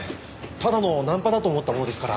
ただのナンパだと思ったものですから。